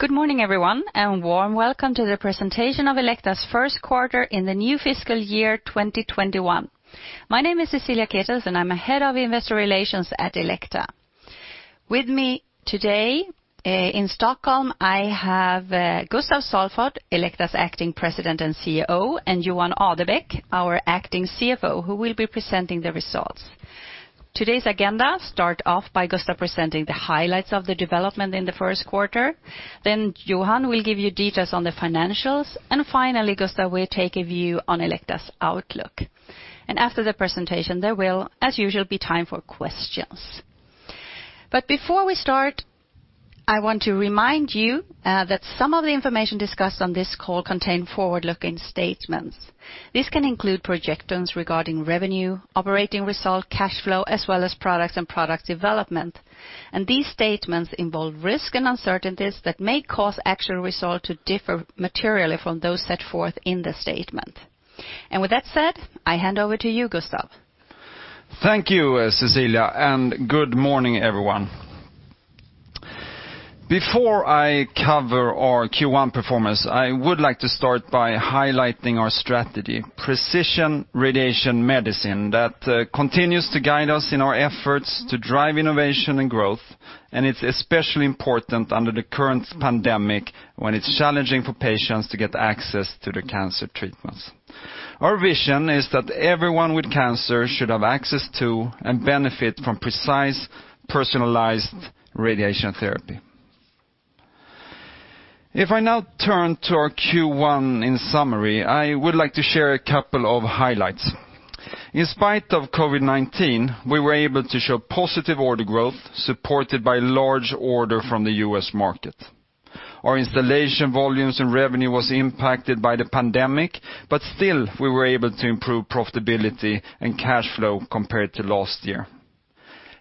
Good morning, everyone. Warm welcome to the presentation of Elekta's first quarter in the new fiscal year 2021. My name is Cecilia Ketels, I'm a Head of Investor Relations at Elekta. With me today in Stockholm, I have Gustaf Salford, Elekta's Acting President and Chief Executive Officer, Johan Adebäck, our Acting Chief Financial Officer, who will be presenting the results. Today's agenda start off by Gustaf presenting the highlights of the development in the first quarter. Johan will give you details on the financials. Finally, Gustaf will take a view on Elekta's outlook. After the presentation, there will, as usual, be time for questions. Before we start, I want to remind you that some of the information discussed on this call contain forward-looking statements. This can include projections regarding revenue, operating result, cash flow, as well as products and product development. These statements involve risk and uncertainties that may cause actual results to differ materially from those set forth in the statement. With that said, I hand over to you, Gustaf. Thank you, Cecilia, and good morning, everyone. Before I cover our Q1 performance, I would like to start by highlighting our strategy, precision radiation medicine, that continues to guide us in our efforts to drive innovation and growth, and it's especially important under the current pandemic, when it's challenging for patients to get access to the cancer treatments. Our vision is that everyone with cancer should have access to and benefit from precise, personalized radiation therapy. If I now turn to our Q1 in summary, I would like to share a couple of highlights. In spite of COVID-19, we were able to show positive order growth supported by large order from the U.S. market. Our installation volumes and revenue was impacted by the pandemic, but still, we were able to improve profitability and cash flow compared to last year.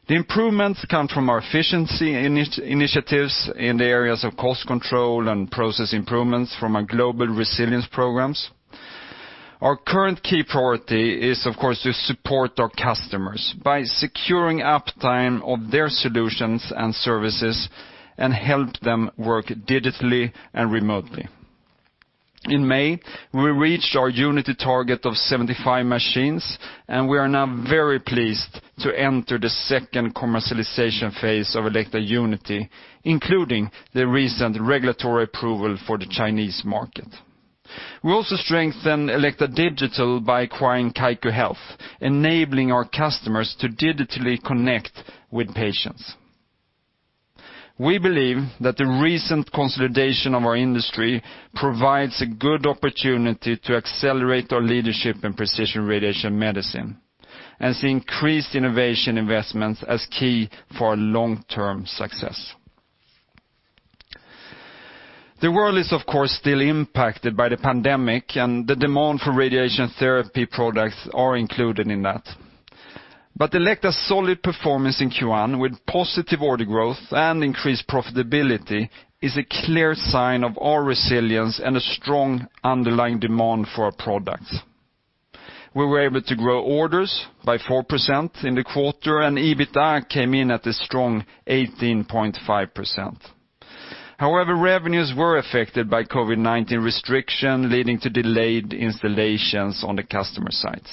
The improvements come from our efficiency initiatives in the areas of cost control and process improvements from our global resilience programs. Our current key priority is, of course, to support our customers by securing uptime of their solutions and services and help them work digitally and remotely. In May, we reached our Unity target of 75 machines, and we are now very pleased to enter the second commercialization phase of Elekta Unity, including the recent regulatory approval for the Chinese market. We also strengthened Elekta Digital by acquiring Kaiku Health, enabling our customers to digitally connect with patients. We believe that the recent consolidation of our industry provides a good opportunity to accelerate our leadership in precision radiation medicine as increased innovation investments as key for our long-term success. The world is, of course, still impacted by the pandemic, and the demand for radiation therapy products are included in that. Elekta's solid performance in Q1 with positive order growth and increased profitability is a clear sign of our resilience and a strong underlying demand for our products. We were able to grow orders by 4% in the quarter, and EBITDA came in at a strong 18.5%. However, revenues were affected by COVID-19 restriction, leading to delayed installations on the customer sites.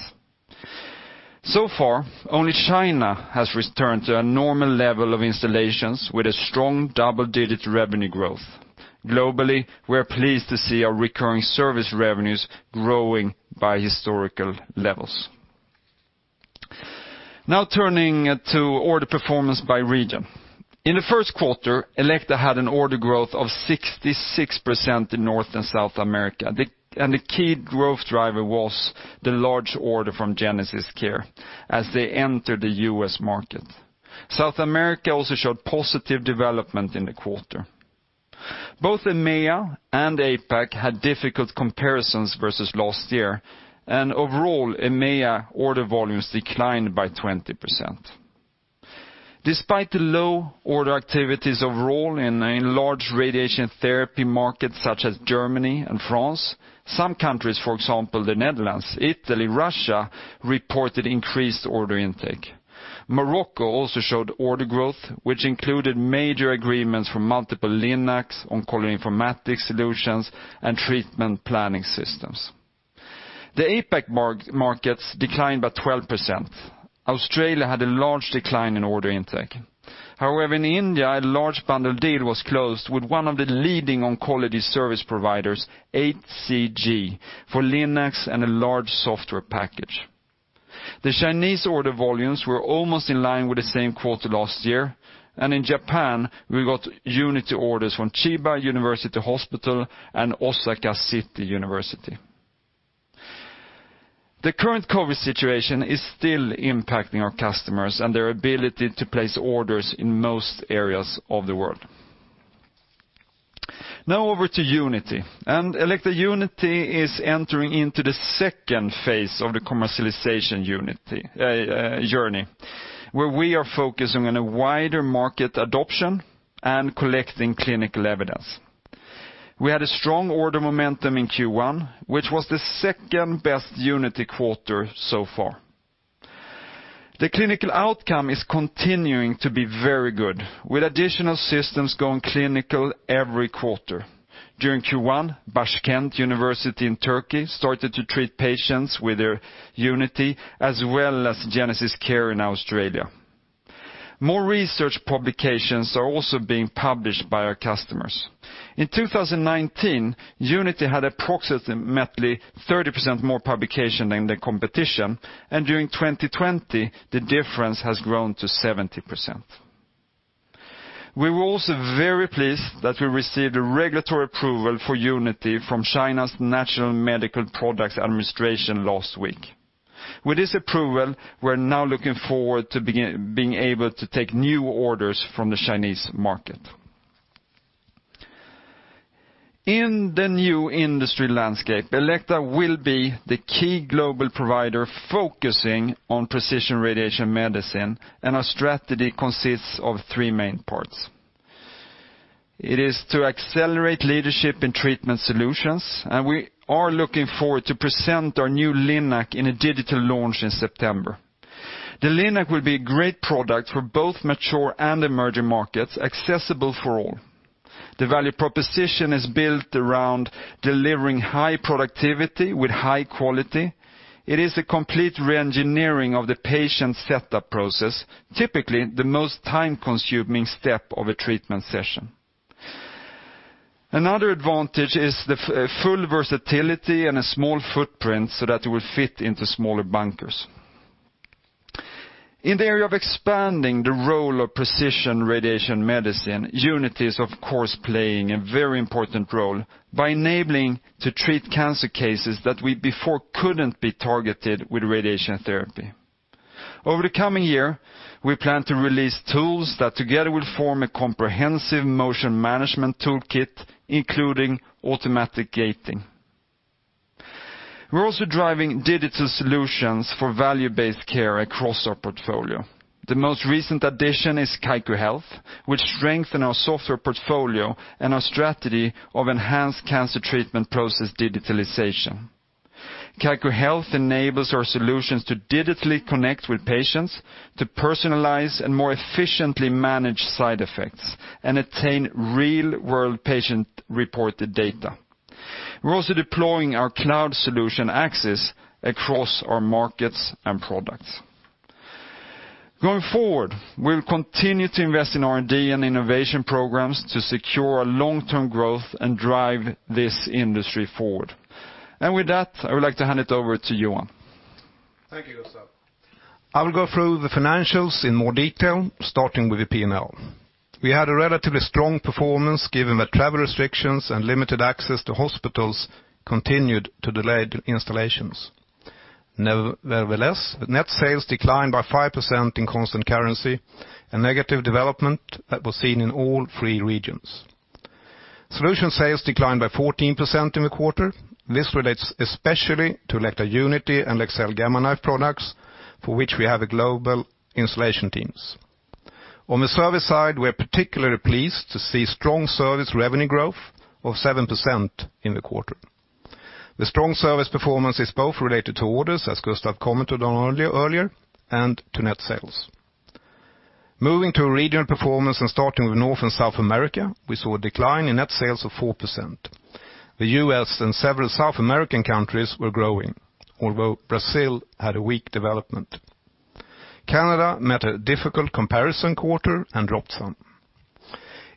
Far, only China has returned to a normal level of installations with a strong double-digit revenue growth. Globally, we're pleased to see our recurring service revenues growing by historical levels. Turning to order performance by region. In the first quarter, Elekta had an order growth of 66% in North and South America. The key growth driver was the large order from GenesisCare as they entered the U.S. market. South America also showed positive development in the quarter. Both EMEA and APAC had difficult comparisons versus last year, overall, EMEA order volumes declined by 20%. Despite the low order activities overall in large radiation therapy markets such as Germany and France, some countries, for example, the Netherlands, Italy, Russia, reported increased order intake. Morocco also showed order growth, which included major agreements from multiple Linacs on oncology informatics solutions and treatment planning systems. The APAC markets declined by 12%. Australia had a large decline in order intake. In India, a large bundle deal was closed with one of the leading oncology service providers, HCG, for Linacs and a large software package. The Chinese order volumes were almost in line with the same quarter last year, in Japan, we got Unity orders from Chiba University Hospital and Osaka Metropolitan University Hospital. The current COVID situation is still impacting our customers and their ability to place orders in most areas of the world. Now over to Unity. Elekta Unity is entering into the second phase of the commercialization journey, where we are focusing on a wider market adoption and collecting clinical evidence. We had a strong order momentum in Q1, which was the second-best Unity quarter so far. The clinical outcome is continuing to be very good, with additional systems going clinical every quarter. During Q1, Başkent University in Turkey started to treat patients with their Unity as well as GenesisCare in Australia. More research publications are also being published by our customers. In 2019, Unity had approximately 30% more publication than the competition, and during 2020, the difference has grown to 70%. We were also very pleased that we received a regulatory approval for Unity from China's National Medical Products Administration last week. With this approval, we're now looking forward to being able to take new orders from the Chinese market. In the new industry landscape, Elekta will be the key global provider focusing on precision radiation medicine, and our strategy consists of three main parts. It is to accelerate leadership in treatment solutions, and we are looking forward to present our new Linac in a digital launch in September. The Linac will be a great product for both mature and emerging markets, accessible for all. The value proposition is built around delivering high productivity with high quality. It is a complete re-engineering of the patient setup process, typically the most time-consuming step of a treatment session. Another advantage is the full versatility and a small footprint so that it will fit into smaller bunkers. In the area of expanding the role of precision radiation medicine, Unity is, of course, playing a very important role by enabling to treat cancer cases that we before couldn't be targeted with radiation therapy. Over the coming year, we plan to release tools that together will form a comprehensive motion management toolkit, including automatic gating. We're also driving digital solutions for value-based care across our portfolio. The most recent addition is Kaiku Health, which strengthen our software portfolio and our strategy of enhanced cancer treatment process digitalization. Kaiku Health enables our solutions to digitally connect with patients, to personalize and more efficiently manage side effects, and attain real-world patient-reported data. We're also deploying our cloud solution access across our markets and products. Going forward, we'll continue to invest in R&D and innovation programs to secure long-term growth and drive this industry forward. With that, I would like to hand it over to Johan. Thank you, Gustaf. I will go through the financials in more detail, starting with the P&L. We had a relatively strong performance given that travel restrictions and limited access to hospitals continued to delay the installations. Nevertheless, net sales declined by 5% in constant currency, a negative development that was seen in all three regions. Solution sales declined by 14% in the quarter. This relates especially to Elekta Unity and Leksell Gamma Knife products, for which we have global installation teams. On the service side, we're particularly pleased to see strong service revenue growth of 7% in the quarter. The strong service performance is both related to orders, as Gustaf commented on earlier, and to net sales. Moving to regional performance and starting with North and South America, we saw a decline in net sales of 4%. The U.S. and several South American countries were growing, although Brazil had a weak development. Canada met a difficult comparison quarter and dropped some.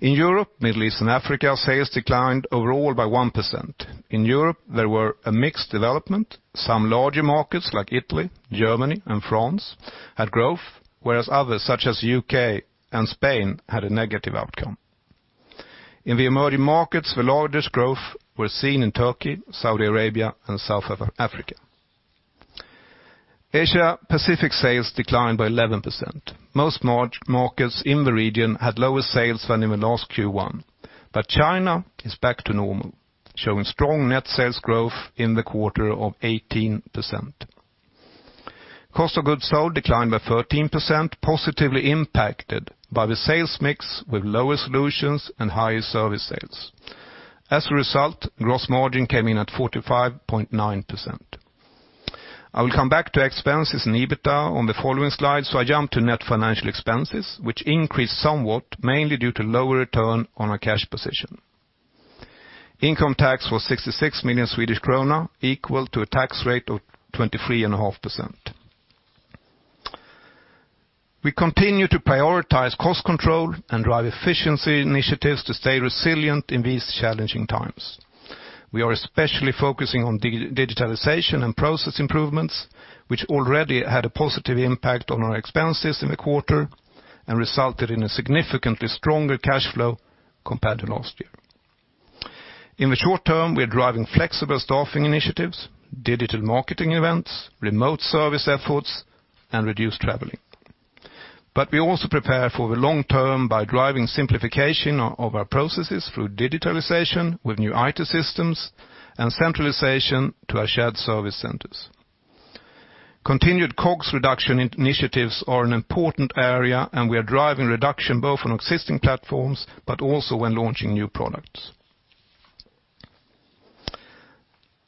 In Europe, Middle East, and Africa, sales declined overall by 1%. In Europe, there were a mixed development. Some larger markets like Italy, Germany, and France had growth, whereas others, such as U.K. and Spain, had a negative outcome. In the emerging markets, the largest growth were seen in Turkey, Saudi Arabia, and South Africa. Asia-Pacific sales declined by 11%. Most markets in the region had lower sales than in the last Q1, but China is back to normal, showing strong net sales growth in the quarter of 18%. Cost of goods sold declined by 13%, positively impacted by the sales mix with lower solutions and higher service sales. As a result, gross margin came in at 45.9%. I will come back to expenses and EBITDA on the following slide, so I jump to net financial expenses, which increased somewhat, mainly due to lower return on our cash position. Income tax was 66 million Swedish krona, equal to a tax rate of 23.5%. We continue to prioritize cost control and drive efficiency initiatives to stay resilient in these challenging times. We are especially focusing on digitalization and process improvements, which already had a positive impact on our expenses in the quarter and resulted in a significantly stronger cash flow compared to last year. In the short term, we are driving flexible staffing initiatives, digital marketing events, remote service efforts, and reduced traveling. We also prepare for the long term by driving simplification of our processes through digitalization with new IT systems and centralization to our shared service centers. Continued COGS reduction initiatives are an important area, and we are driving reduction both on existing platforms, but also when launching new products.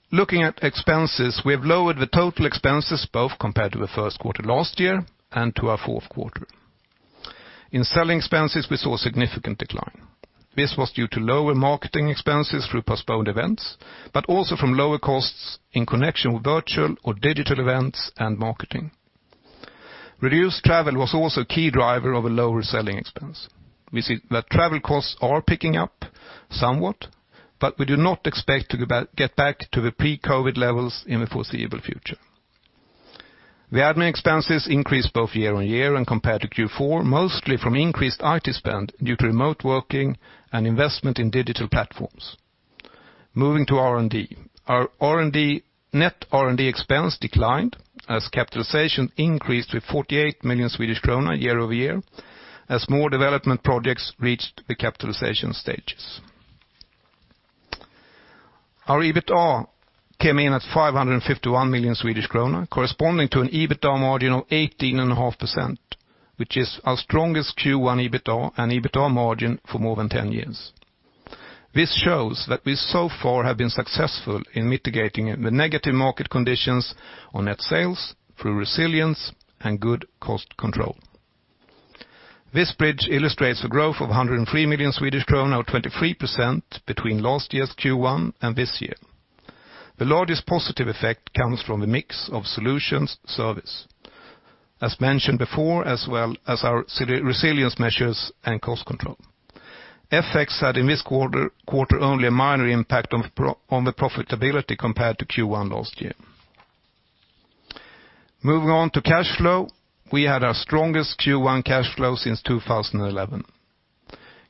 Looking at expenses, we have lowered the total expenses, both compared to the first quarter last year and to our fourth quarter. In selling expenses, we saw a significant decline. This was due to lower marketing expenses through postponed events, but also from lower costs in connection with virtual or digital events and marketing. Reduced travel was also a key driver of a lower selling expense. We see that travel costs are picking up somewhat, but we do not expect to get back to the pre-COVID-19 levels in the foreseeable future. The admin expenses increased both year-over-year and compared to Q4, mostly from increased IT spend due to remote working and investment in digital platforms. Moving to R&D. Our net R&D expense declined as capitalization increased with 48 million Swedish krona year-over-year, as more development projects reached the capitalization stages. Our EBITDA came in at 551 million Swedish kronor, corresponding to an EBITDA margin of 18.5%, which is our strongest Q1 EBITDA and EBITDA margin for more than 10 years. This shows that we so far have been successful in mitigating the negative market conditions on net sales through resilience and good cost control. This bridge illustrates the growth of 103 million Swedish krona or 23% between last year's Q1 and this year. The largest positive effect comes from the mix of solutions service, as mentioned before, as well as our resilience measures and cost control. FX had, in this quarter, only a minor impact on the profitability compared to Q1 last year. Moving on to cash flow. We had our strongest Q1 cash flow since 2011.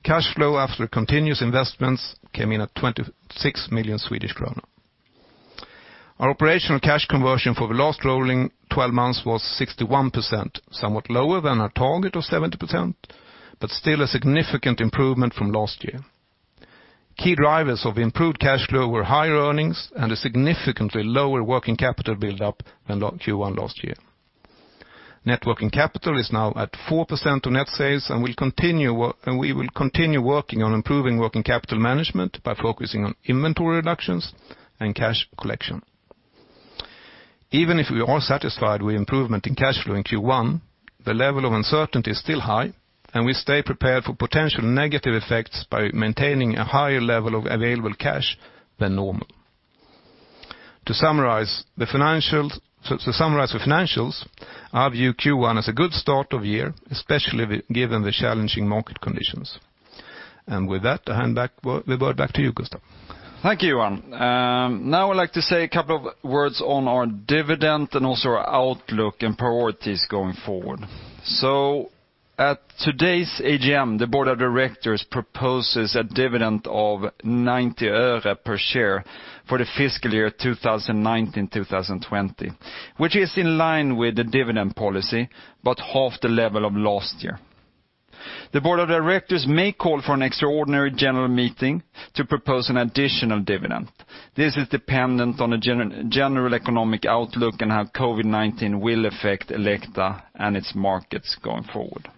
Cash flow after continuous investments came in at 26 million Swedish kronor. Our operational cash conversion for the last rolling 12 months was 61%, somewhat lower than our target of 70%, but still a significant improvement from last year. Key drivers of improved cash flow were higher earnings and a significantly lower working capital buildup than Q1 last year. Net working capital is now at 4% on net sales, and we will continue working on improving working capital management by focusing on inventory reductions and cash collection. Even if we are satisfied with improvement in cash flow in Q1, the level of uncertainty is still high, and we stay prepared for potential negative effects by maintaining a higher level of available cash than normal. To summarize the financials, I view Q1 as a good start of year, especially given the challenging market conditions. With that, I hand the word back to you, Gustaf. Thank you, Johan. I'd like to say a couple of words on our dividend and also our outlook and priorities going forward. At today's AGM, the board of directors proposes a dividend of SEK 0.90 per share for the fiscal year 2019/2020, which is in line with the dividend policy, but half the level of last year. The board of directors may call for an extraordinary general meeting to propose an additional dividend. This is dependent on the general economic outlook and how COVID-19 will affect Elekta and its markets going forward.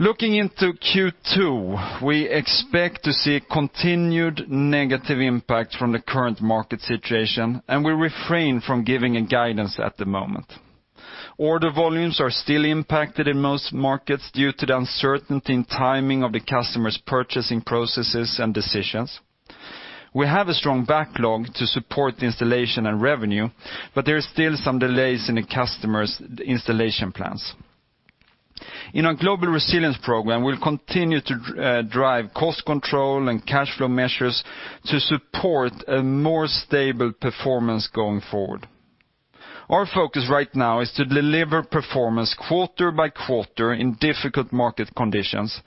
Looking into Q2, we expect to see continued negative impact from the current market situation, and we refrain from giving a guidance at the moment. Order volumes are still impacted in most markets due to the uncertainty in timing of the customer's purchasing processes and decisions. We have a strong backlog to support the installation and revenue, there is still some delays in the customer's installation plans. In our global resilience program, we'll continue to drive cost control and cash flow measures to support a more stable performance going forward. Our focus right now is to deliver performance quarter by quarter in difficult market conditions,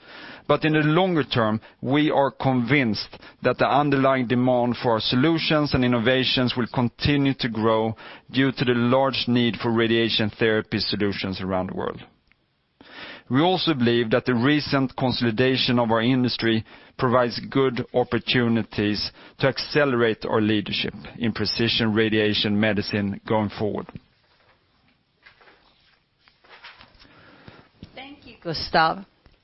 but in the longer term, we are convinced that the underlying demand for our solutions and innovations will continue to grow due to the large need for radiation therapy solutions around the world. We also believe that the recent consolidation of our industry provides good opportunities to accelerate our leadership in precision radiation medicine going forward. Thank you,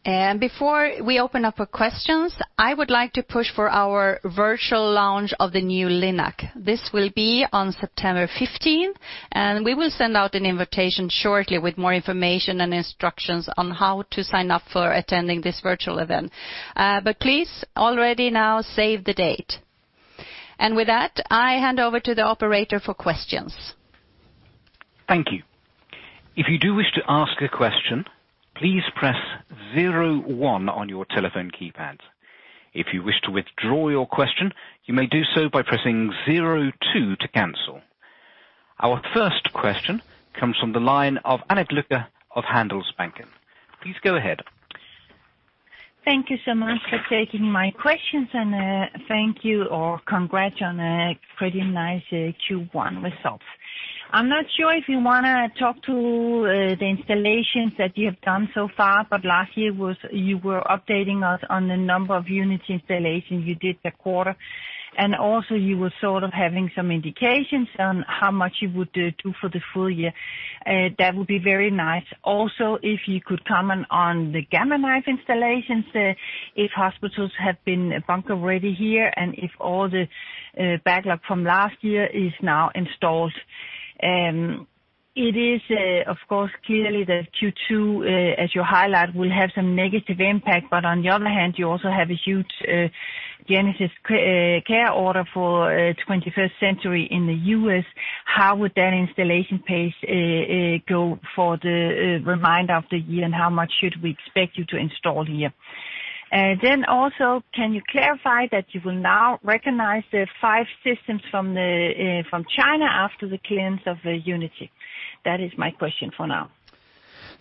Gustaf. Before we open up for questions, I would like to push for our virtual launch of the new Linac. This will be on September 15th, and we will send out an invitation shortly with more information and instructions on how to sign up for attending this virtual event. Please, already now save the date. With that, I hand over to the operator for questions. Thank you. If you do wish to ask a question, please press zero one on your telephone keypad. If you wish to withdraw your question, you may do so by pressing zero two to cancel. Our first question comes from the line of Annette Lykke of Handelsbanken. Please go ahead. Thank you so much for taking my questions, thank you or congrats on pretty nice Q1 results. I'm not sure if you want to talk to the installations that you have done so far, last year you were updating us on the number of unit installations you did that quarter, and also you were sort of having some indications on how much you would do for the full year. That would be very nice. Also, if you could comment on the Gamma Knife installations, if hospitals have been bunker-ready here, and if all the backlog from last year is now installed. It is, of course, clearly that Q2, as you highlight, will have some negative impact, on the other hand, you also have a huge GenesisCare order for 21st Century in the U.S. How would that installation pace go for the remainder of the year, and how much should we expect you to install here? Also, can you clarify that you will now recognize the five systems from China after the clearance of the Elekta Unity? That is my question for now.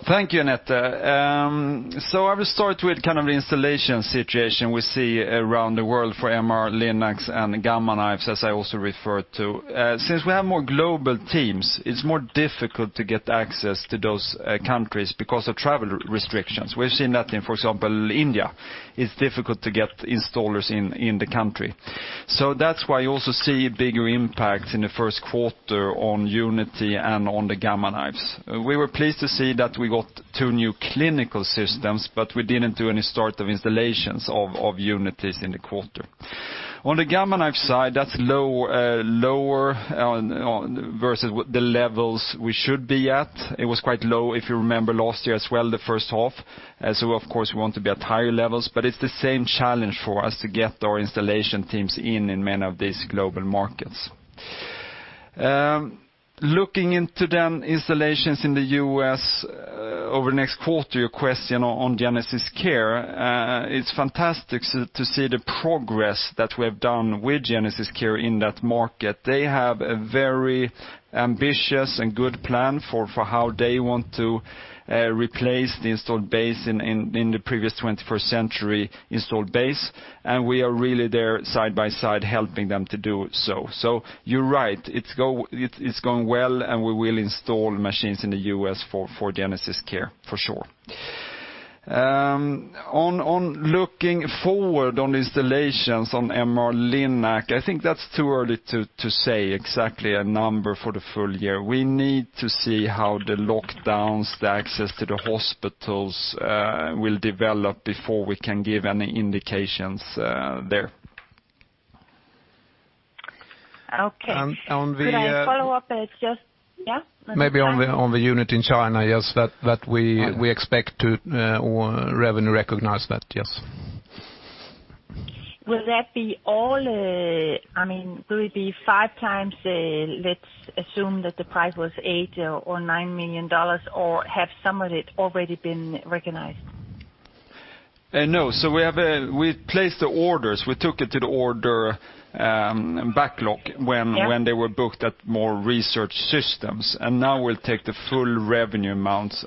Thank you, Annette. I will start with the installation situation we see around the world for MR-Linacs and Gamma Knives, as I also referred to. Since we have more global teams, it's more difficult to get access to those countries because of travel restrictions. We've seen that in, for example, India, it's difficult to get installers in the country. That's why you also see a bigger impact in the first quarter on Unity and on the Gamma Knives. We were pleased to see that we got two new clinical systems, but we didn't do any start of installations of Unities in the quarter. On the Gamma Knife side, that's lower versus the levels we should be at. It was quite low, if you remember last year as well, the first half. Of course we want to be at higher levels, but it's the same challenge for us to get our installation teams in many of these global markets. Looking into then installations in the U.S. over the next quarter, your question on GenesisCare, it's fantastic to see the progress that we have done with GenesisCare in that market. They have a very ambitious and good plan for how they want to replace the installed base in the previous 21st Century installed base, and we are really there side by side helping them to do so. You're right, it's going well, and we will install machines in the U.S. for GenesisCare, for sure. On looking forward on installations on MR-Linac, I think that's too early to say exactly a number for the full year. We need to see how the lockdowns, the access to the hospitals will develop before we can give any indications there. Okay. On the- Could I follow up? It's just, yeah? Maybe on the Unity in China, yes. That we expect to revenue recognize that, yes. Will that be all, will it be 5x, let's assume that the price was 8 million or SEK 9 million, or have some of it already been recognized? No. We placed the orders. We took it to the order backlog when- Yeah They were booked at more research systems. Now we'll take the full revenue amounts.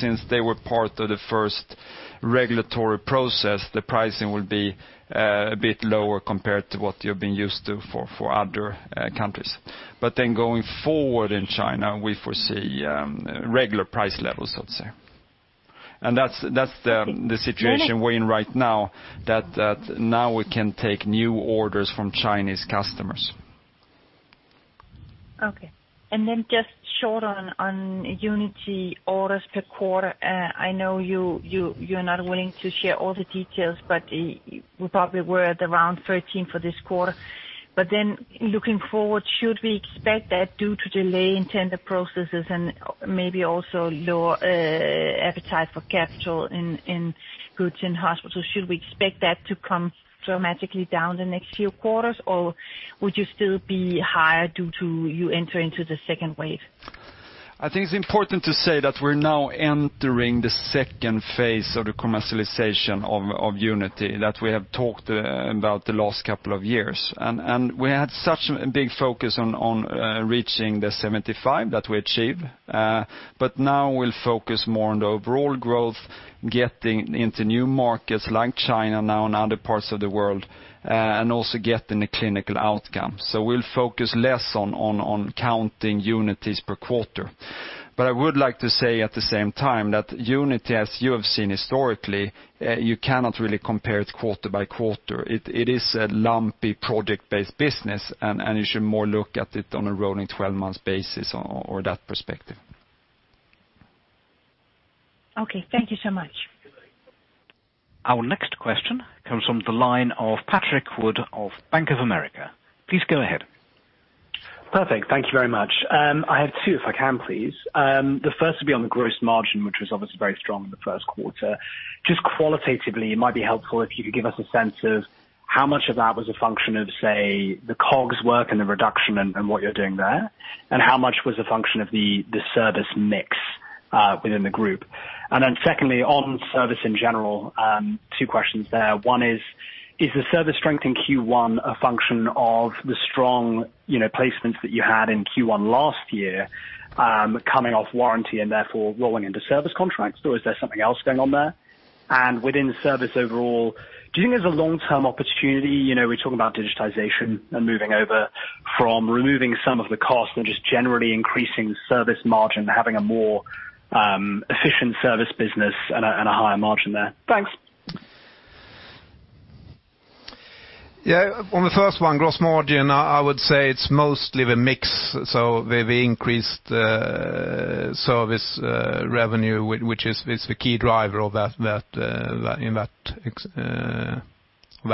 Since they were part of the first regulatory process, the pricing will be a bit lower compared to what you've been used to for other countries. Going forward in China, we foresee regular price levels, I'd say. That's the situation we're in right now, that now we can take new orders from Chinese customers. Okay. Just short on Unity orders per quarter. I know you're not willing to share all the details, but we probably were at around 13 for this quarter. Looking forward, should we expect that due to delay in tender processes and maybe also lower appetite for capital in goods in hospitals, should we expect that to come dramatically down the next few quarters? Would you still be higher due to you enter into the second wave? I think it's important to say that we're now entering the second phase of the commercialization of Unity, that we have talked about the last couple of years. We had such a big focus on reaching the 75 that we achieved. Now we'll focus more on the overall growth, getting into new markets like China now and other parts of the world, and also getting the clinical outcome. We'll focus less on counting Unities per quarter. I would like to say at the same time that Unity, as you have seen historically, you cannot really compare it quarter by quarter. It is a lumpy project-based business, and you should more look at it on a rolling 12 months basis or that perspective. Okay. Thank you so much. Our next question comes from the line of Patrick Wood of Bank of America. Please go ahead. Perfect. Thank you very much. I have two, if I can please. The first will be on the gross margin, which was obviously very strong in the first quarter. Just qualitatively, it might be helpful if you could give us a sense of how much of that was a function of, say, the COGS work and the reduction and what you're doing there, and how much was a function of the service mix within the group. Secondly, on service in general, two questions there. One is the service strength in Q1 a function of the strong placements that you had in Q1 last year, coming off warranty and therefore rolling into service contracts, or is there something else going on there? Within service overall, do you think there's a long-term opportunity, we're talking about digitization and moving over from removing some of the cost and just generally increasing service margin, having a more efficient service business and a higher margin there? Thanks. Yeah. On the first one, gross margin, I would say it's mostly the mix. The increased service revenue, which is the key driver in that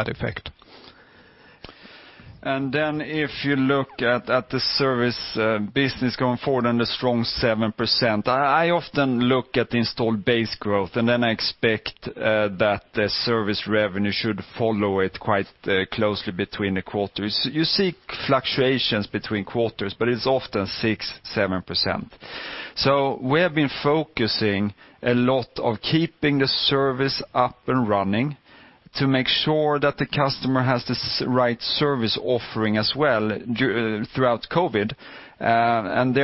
effect. If you look at the service business going forward and a strong 7%. I often look at installed base growth, I expect that the service revenue should follow it quite closely between the quarters. You see fluctuations between quarters, but it's often 6%, 7%. We have been focusing a lot on keeping the service up and running to make sure that the customer has the right service offering as well throughout COVID, and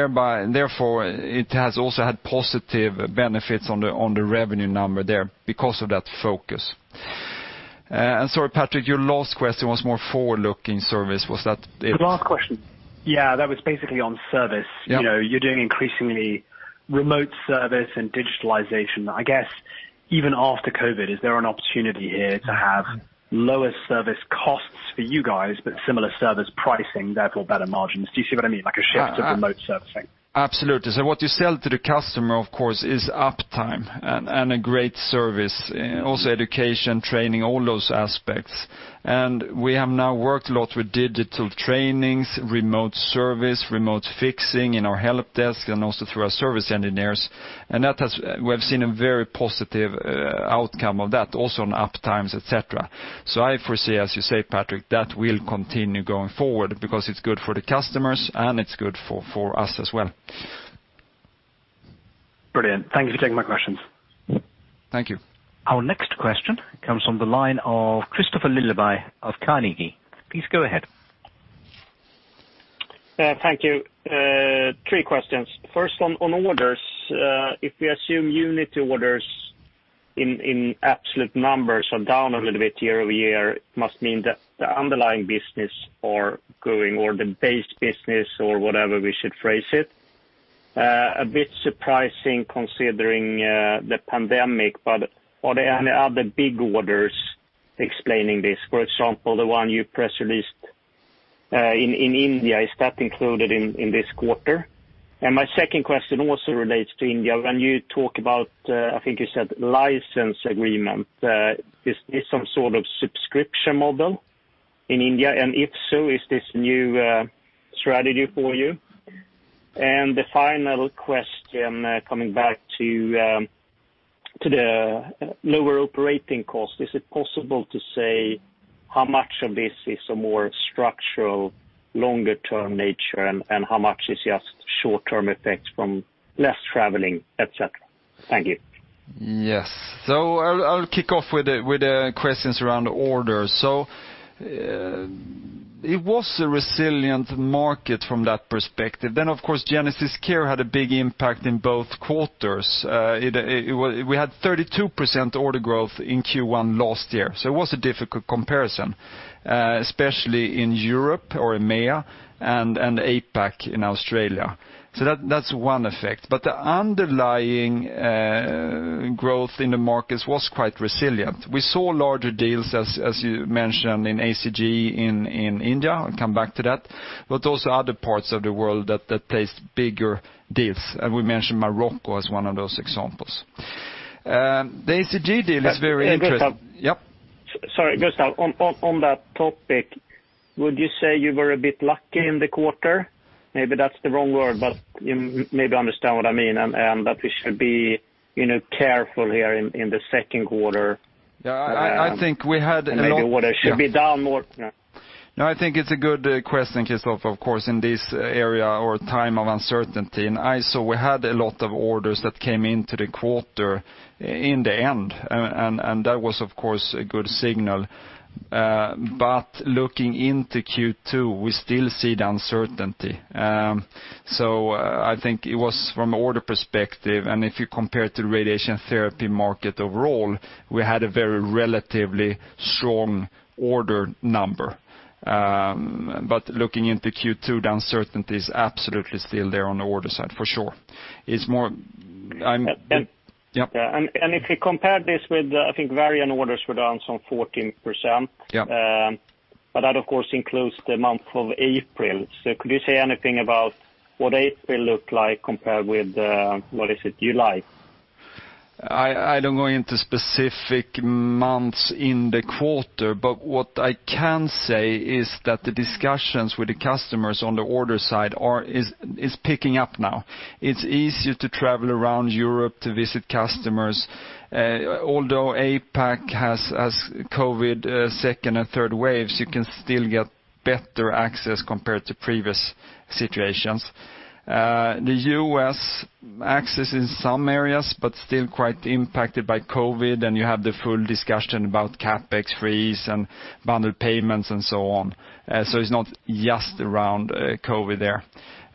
therefore, it has also had positive benefits on the revenue number there because of that focus. Sorry, Patrick, your last question was more forward-looking service. Was that it? The last question. Yeah, that was basically on service. Yeah. You're doing increasingly remote service and digitalization. I guess, even after COVID, is there an opportunity here to have lower service costs for you guys, but similar service pricing, therefore better margins? Do you see what I mean? Like a shift to remote servicing. Absolutely. What you sell to the customer, of course, is uptime and a great service, also education, training, all those aspects. We have now worked a lot with digital trainings, remote service, remote fixing in our help desk, and also through our service engineers. We have seen a very positive outcome of that, also on uptimes, et cetera. I foresee as you say, Patrick, that will continue going forward because it's good for the customers and it's good for us as well. Brilliant. Thank you for taking my questions. Thank you. Our next question comes from the line of Kristofer Liljeberg of Carnegie. Please go ahead. Thank you. Three questions. First, on orders, if we assume unit orders in absolute numbers are down a little bit year-over-year, it must mean that the underlying business are growing or the base business or whatever we should phrase it. A bit surprising considering the pandemic, are there any other big orders explaining this? For example, the one you press released in India, is that included in this quarter? My second question also relates to India. When you talk about, I think you said license agreement, is this some sort of subscription model in India? If so, is this new strategy for you? The final question, coming back to the lower operating cost, is it possible to say how much of this is a more structural longer term nature, and how much is just short term effects from less traveling, et cetera? Thank you. Yes. I'll kick off with the questions around the orders. It was a resilient market from that perspective. Of course, GenesisCare had a big impact in both quarters. We had 32% order growth in Q1 last year, so it was a difficult comparison, especially in Europe or EMEA and APAC in Australia. That's one effect. The underlying growth in the markets was quite resilient. We saw larger deals, as you mentioned in HCG in India. I'll come back to that. Also other parts of the world that placed bigger deals, and we mentioned Morocco as one of those examples. The HCG deal is very interesting. Sorry, Gustaf, on that topic, would you say you were a bit lucky in the quarter? Maybe that's the wrong word, but you maybe understand what I mean, and that we should be careful here in the second quarter. Yeah, I think we. Maybe order should be down more. No, I think it's a good question, Kristofer. Of course, in this area or time of uncertainty. I saw we had a lot of orders that came into the quarter in the end, and that was, of course, a good signal. Looking into Q2, we still see the uncertainty. I think it was from order perspective, and if you compare to radiation therapy market overall, we had a very relatively strong order number. Looking into Q2, the uncertainty is absolutely still there on the order side for sure. If you compare this with, I think Varian orders were down some 14%. Yeah. That, of course, includes the month of April. Could you say anything about what April looked like compared with, what is it, July? I don't go into specific months in the quarter, but what I can say is that the discussions with the customers on the order side is picking up now. It's easier to travel around Europe to visit customers. Although APAC has COVID second and third waves, you can still get better access compared to previous situations. The U.S. access in some areas, but still quite impacted by COVID, and you have the full discussion about CapEx freeze and bundled payments and so on. It's not just around COVID there.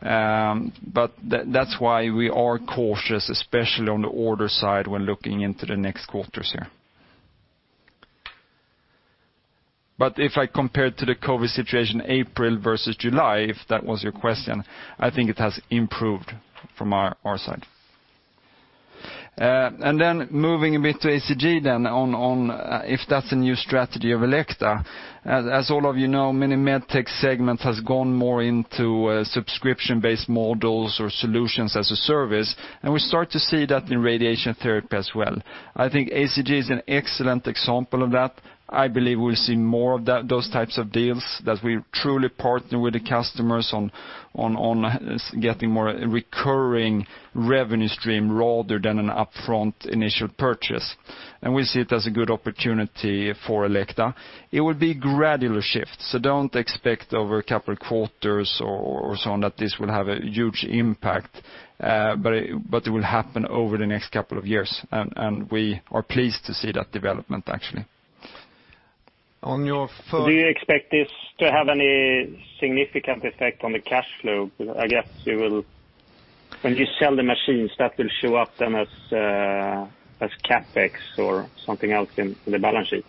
That's why we are cautious, especially on the order side when looking into the next quarters here. If I compare to the COVID situation, April versus July, if that was your question, I think it has improved from our side. Moving a bit to HCG then, if that's a new strategy of Elekta. As all of you know, many medtech segments has gone more into subscription-based models or solutions as a service, and we start to see that in radiation therapy as well. I think HCG is an excellent example of that. I believe we'll see more of those types of deals that we truly partner with the customers on getting more recurring revenue stream rather than an upfront initial purchase. We see it as a good opportunity for Elekta. It will be a gradual shift, so don't expect over a couple of quarters or so on that this will have a huge impact, but it will happen over the next couple of years, and we are pleased to see that development actually. Do you expect this to have any significant effect on the cash flow? I guess when you sell the machines that will show up then as CapEx or something else in the balance sheet.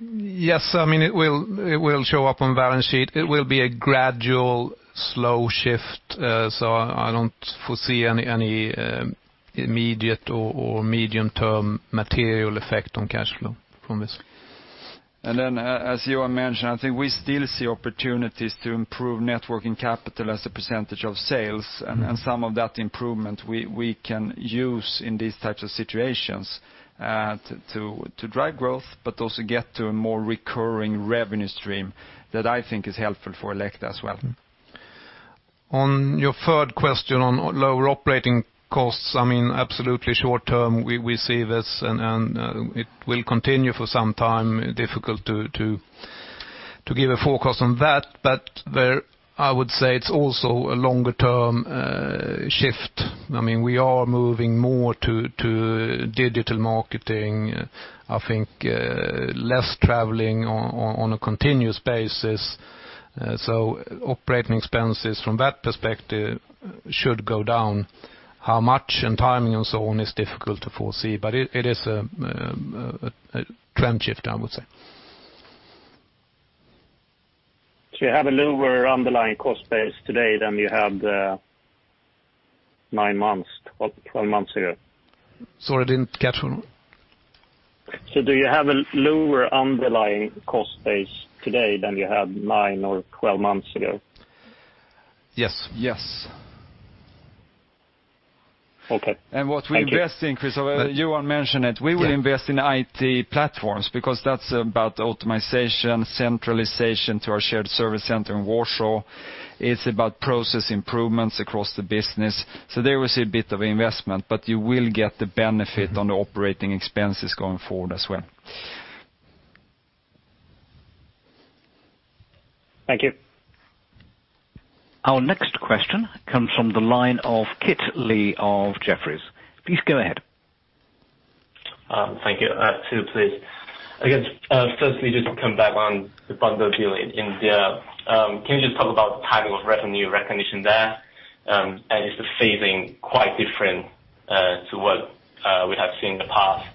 Yes, it will show up on the balance sheet. It will be a gradual, slow shift, so I don't foresee any immediate or medium-term material effect on cash flow from this. As Johan mentioned, I think we still see opportunities to improve net working capital as a percentage of sales, and some of that improvement we can use in these types of situations, to drive growth, but also get to a more recurring revenue stream that I think is helpful for Elekta as well. On your third question on lower operating costs, absolutely short term, we see this, and it will continue for some time. Difficult to give a forecast on that, but I would say it's also a longer-term shift. We are moving more to digital marketing, I think, less traveling on a continuous basis. Operating expenses from that perspective should go down. How much and timing and so on is difficult to foresee, but it is a trend shift, I would say. You have a lower underlying cost base today than you had nine months, 12 months ago? Sorry, I didn't catch. Do you have a lower underlying cost base today than you had nine or 12 months ago? Yes. Yes. Okay. Thank you. What we invest in, Kristofer, Johan mentioned it, we will invest in IT platforms because that's about optimization, centralization to our shared service center in Warsaw. It's about process improvements across the business. There we see a bit of investment, but you will get the benefit on the operating expenses going forward as well. Thank you. Our next question comes from the line of Kit Lee of Jefferies. Please go ahead. Thank you. Two, please. Firstly, just to come back on the bundle deal in India. Can you just talk about the timing of revenue recognition there? Is the phasing quite different to what we have seen in the past,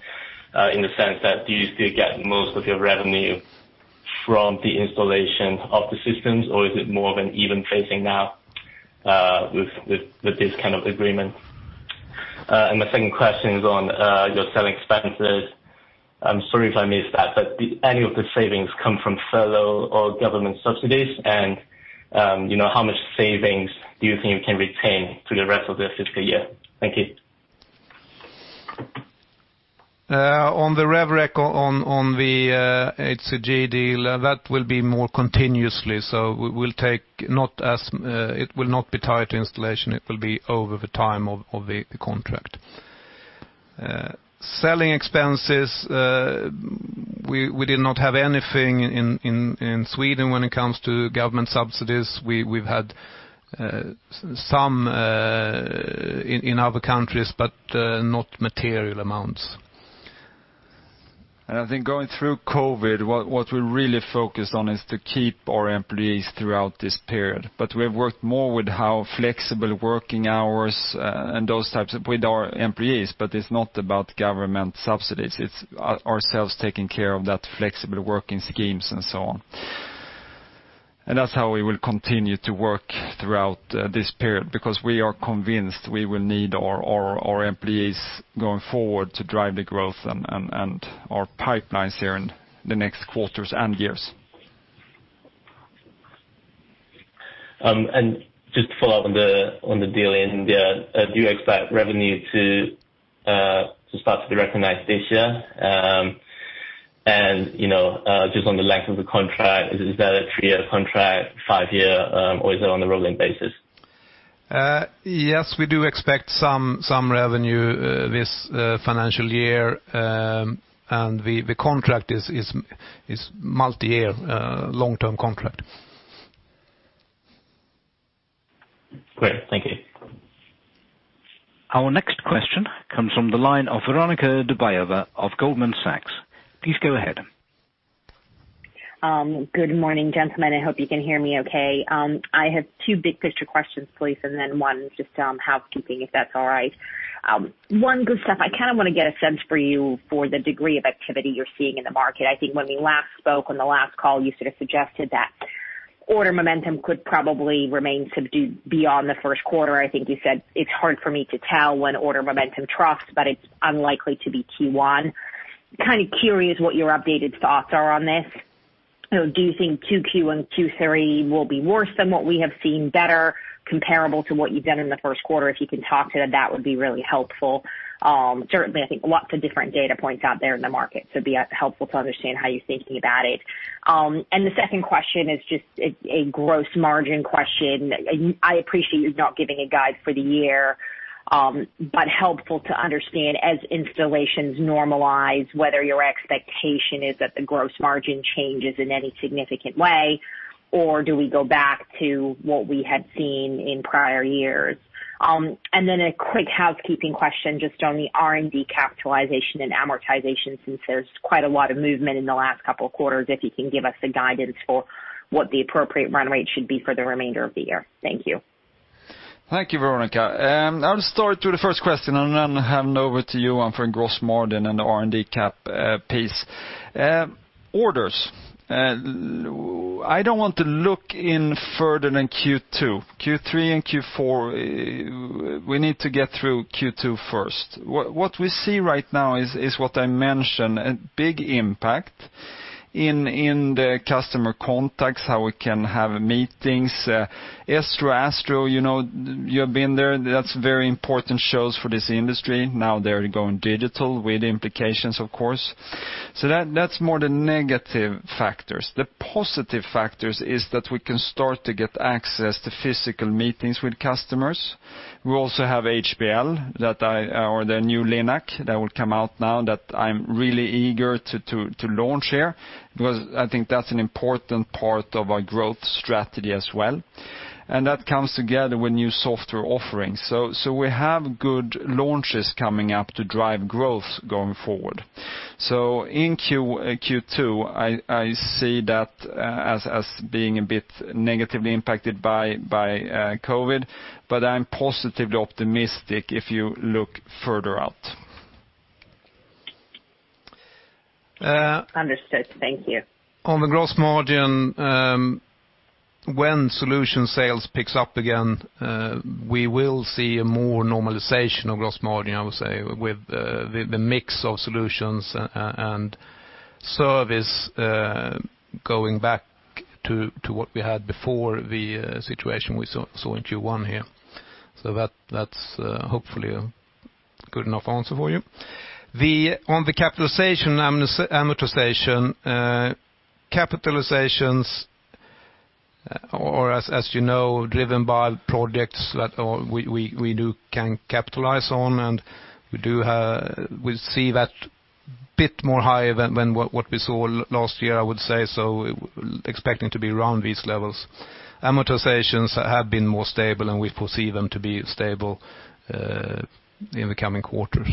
in the sense that do you still get most of your revenue from the installation of the systems, or is it more of an even phasing now, with this kind of agreement? My second question is on your selling expenses. I'm sorry if I missed that, any of the savings come from furlough or government subsidies, and how much savings do you think you can retain through the rest of the fiscal year? Thank you. On the rev rec on the HCG deal, that will be more continuously. It will not be tied to installation, it will be over the time of the contract. Selling expenses, we did not have anything in Sweden when it comes to government subsidies. We've had some in other countries, not material amounts. I think going through COVID, what we really focused on is to keep our employees throughout this period, but we have worked more with how flexible working hours, and those types with our employees, but it's not about government subsidies. It's ourselves taking care of that flexible working schemes and so on. That's how we will continue to work throughout this period because we are convinced we will need our employees going forward to drive the growth and our pipelines here in the next quarters and years. Just to follow up on the deal in India, do you expect revenue to start to be recognized this year? Just on the length of the contract, is that a three-year contract, five-year, or is it on a rolling basis? Yes, we do expect some revenue this financial year. The contract is multi-year, long-term contract. Great. Thank you. Our next question comes from the line of Veronika Dubajova of Goldman Sachs. Please go ahead. Good morning, gentlemen. I hope you can hear me okay. I have two big picture questions, please, and then one just housekeeping, if that's all right. One, Gustaf, I want to get a sense for you for the degree of activity you're seeing in the market. I think when we last spoke on the last call, you sort of suggested that order momentum could probably remain subdued beyond the first quarter. I think you said it's hard for me to tell when order momentum troughs, but it's unlikely to be Q1. Kind of curious what your updated thoughts are on this. Do you think Q2 and Q3 will be worse than what we have seen, better, comparable to what you've done in the first quarter? If you can talk to that would be really helpful. Certainly, I think lots of different data points out there in the market, so it'd be helpful to understand how you're thinking about it. The second question is just a gross margin question. I appreciate you not giving a guide for the year, but helpful to understand as installations normalize, whether your expectation is that the gross margin changes in any significant way, or do we go back to what we had seen in prior years? Then a quick housekeeping question just on the R&D capitalization and amortization, since there's quite a lot of movement in the last couple of quarters, if you can give us a guidance for what the appropriate run rate should be for the remainder of the year. Thank you. Thank you, Veronika. I'll start with the first question and then hand over to Johan for gross margin and the R&D cap piece. Orders. I don't want to look in further than Q2. Q3 and Q4, we need to get through Q2 first. What we see right now is what I mentioned, a big impact in the customer contacts, how we can have meetings. ESTRO, ASTRO, you've been there. That's very important shows for this industry. Now they're going digital with implications, of course. That's more the negative factors. The positive factors is that we can start to get access to physical meetings with customers. We also have HBL or the new Linac that will come out now that I'm really eager to launch here, because I think that's an important part of our growth strategy as well. That comes together with new software offerings. We have good launches coming up to drive growth going forward. In Q2, I see that as being a bit negatively impacted by COVID, but I'm positively optimistic if you look further out. Understood. Thank you. On the gross margin, when solution sales picks up again, we will see a more normalization of gross margin, I would say, with the mix of solutions and service going back to what we had before the situation we saw in Q1 here. That's hopefully a good enough answer for you. On the capitalization and amortization, capitalizations are, as you know, driven by projects that we can capitalize on. We see that a bit more higher than what we saw last year, I would say, expecting to be around these levels. Amortizations have been more stable. We foresee them to be stable in the coming quarters.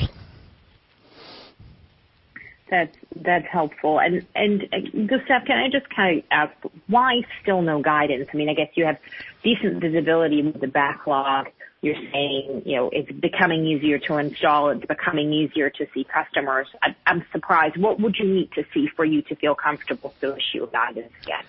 That's helpful. Gustaf, can I just ask why still no guidance? I guess you have decent visibility into the backlog. You're saying it's becoming easier to install, it's becoming easier to see customers. I'm surprised. What would you need to see for you to feel comfortable to issue a guidance again?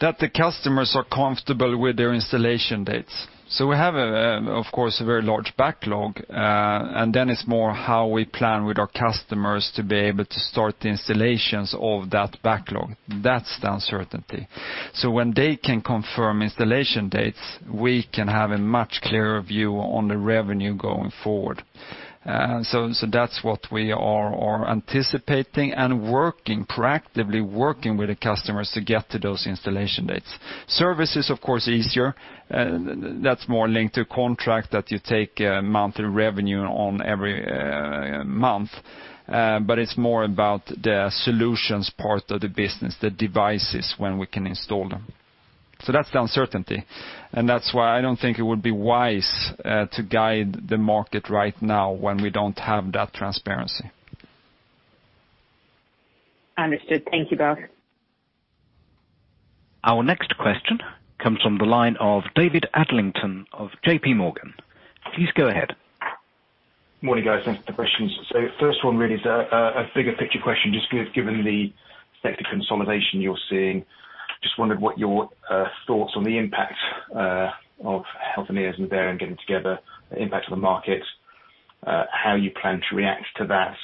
That the customers are comfortable with their installation dates. We have, of course, a very large backlog, and then it's more how we plan with our customers to be able to start the installations of that backlog. That's the uncertainty. When they can confirm installation dates, we can have a much clearer view on the revenue going forward. That's what we are anticipating and proactively working with the customers to get to those installation dates. Service is, of course, easier. That's more linked to contract that you take monthly revenue on every month. It's more about the solutions part of the business, the devices, when we can install them. That's the uncertainty, and that's why I don't think it would be wise to guide the market right now when we don't have that transparency. Understood. Thank you both. Our next question comes from the line of David Adlington of JPMorgan. Please go ahead. Morning, guys. Thanks for the questions. First one really is a bigger picture question, just given the sector consolidation you're seeing. Just wondered what your thoughts on the impact of Healthineers and Varian getting together, the impact on the market, how you plan to react to that.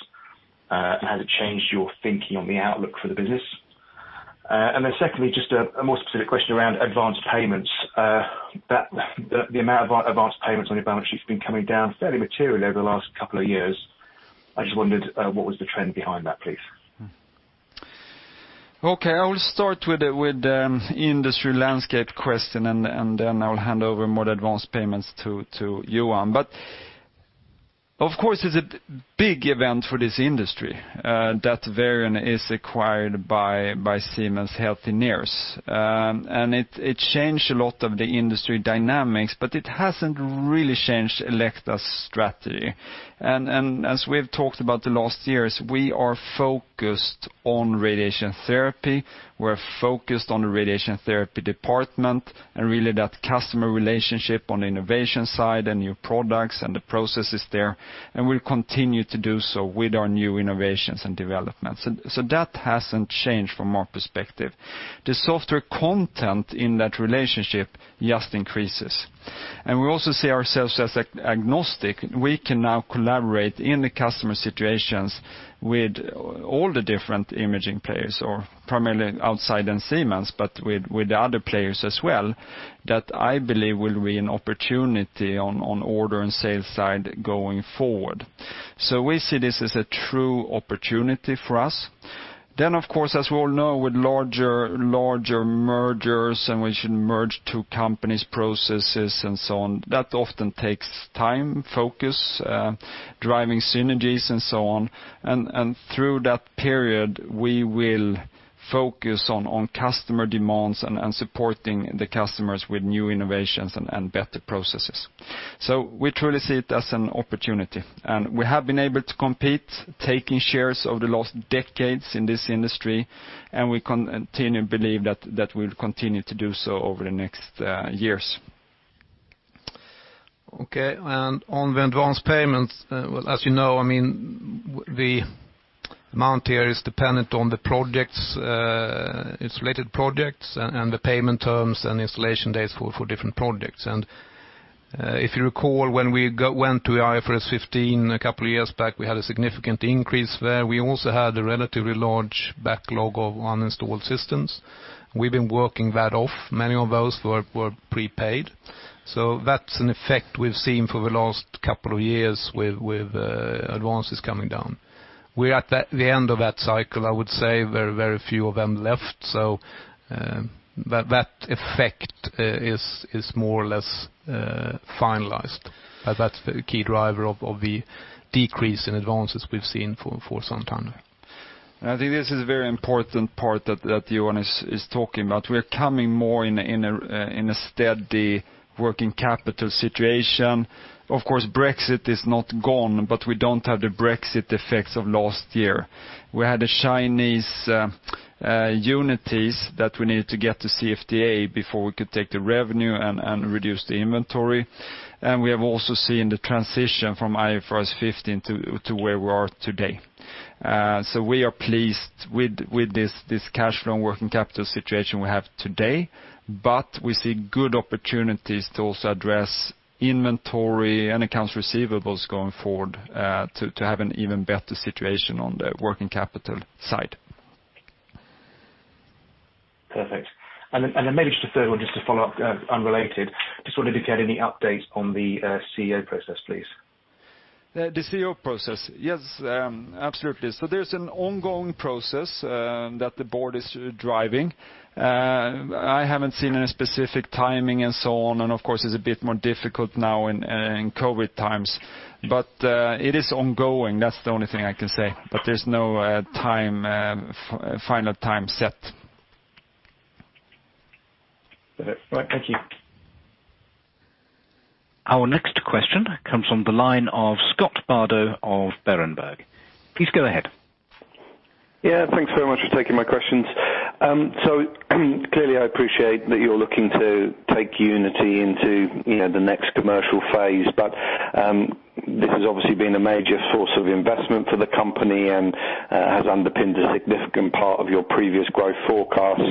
Has it changed your thinking on the outlook for the business? Secondly, just a more specific question around advanced payments. The amount of advanced payments on your balance sheet has been coming down fairly materially over the last couple of years. I just wondered what was the trend behind that, please? Okay. I will start with the industry landscape question, then I will hand over more advanced payments to Johan. Of course, it's a big event for this industry that Varian is acquired by Siemens Healthineers. It changed a lot of the industry dynamics, but it hasn't really changed Elekta's strategy. As we have talked about the last years, we are focused on radiation therapy. We're focused on the radiation therapy department and really that customer relationship on the innovation side and new products and the processes there, and we'll continue to do so with our new innovations and developments. That hasn't changed from our perspective. The software content in that relationship just increases. We also see ourselves as agnostic. We can now collaborate in the customer situations with all the different imaging players, or primarily outside Siemens, but with the other players as well, that I believe will be an opportunity on order and sales side going forward. We see this as a true opportunity for us. Of course, as we all know, with larger mergers and we should merge two companies' processes and so on, that often takes time, focus, driving synergies and so on. Through that period, we will focus on customer demands and supporting the customers with new innovations and better processes. We truly see it as an opportunity. We have been able to compete, taking shares over the last decades in this industry, and we continue to believe that we'll continue to do so over the next years. Okay, on the advance payments, as you know, the amount here is dependent on the projects, insulated projects and the payment terms and installation dates for different projects. If you recall, when we went to IFRS 15 a couple of years back, we had a significant increase there. We also had a relatively large backlog of uninstalled systems. We've been working that off. Many of those were prepaid. That's an effect we've seen for the last couple of years with advances coming down. We're at the end of that cycle, I would say. Very few of them left. That effect is more or less finalized. That's the key driver of the decrease in advances we've seen for some time. I think this is a very important part that Johan is talking about. We're coming more in a steady working capital situation. Of course, Brexit is not gone, but we don't have the Brexit effects of last year. We had the Chinese Unities that we needed to get to NMPA before we could take the revenue and reduce the inventory. We have also seen the transition from IFRS 15 to where we are today. We are pleased with this cash flow and working capital situation we have today, but we see good opportunities to also address inventory and accounts receivables going forward, to have an even better situation on the working capital side. Perfect. Maybe just a third one just to follow up, unrelated. Just wanted to get any updates on the CEO process, please. The CEO process. Yes, absolutely. There's an ongoing process that the board is driving. I haven't seen any specific timing and so on, and of course, it's a bit more difficult now in COVID times. It is ongoing, that's the only thing I can say. There's no final time set. Perfect. Right. Thank you. Our next question comes from the line of Scott Bardo of Berenberg. Please go ahead. Thanks very much for taking my questions. Clearly, I appreciate that you're looking to take Unity into the next commercial phase, but this has obviously been a major source of investment for the company and has underpinned a significant part of your previous growth forecasts.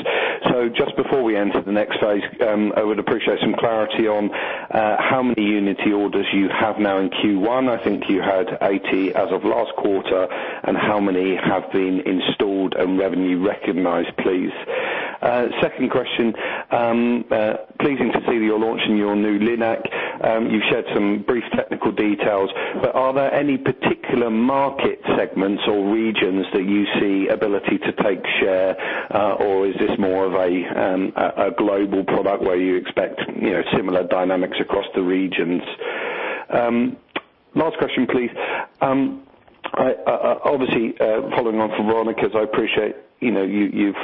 Just before we enter the next phase, I would appreciate some clarity on how many Unity orders you have now in Q1. I think you had 80 as of last quarter, and how many have been installed and revenue recognized, please? Second question. Pleasing to see that you're launching your new Linac. You've shared some brief technical details, but are there any particular market segments or regions that you see ability to take share, or is this more of a global product where you expect similar dynamics across the regions? Last question, please. Following on from Veronika's, I appreciate you've